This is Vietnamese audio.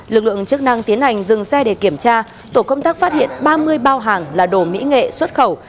lực lượng chức năng tiến hành dừng xe để kiểm tra tổ công tác phát hiện ba mươi bao hàng là đồ mỹ nghệ xuất khẩu